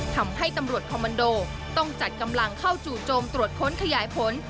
ทำให้ตำรวจคอมมันโดต้องจัดกำลังเข้าจู่โจมตรวจค้นขยายผล